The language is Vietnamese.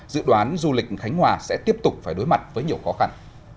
dự đoán du lịch khánh hòa sẽ tiếp tục phải đối mặt với nhiều khó khăn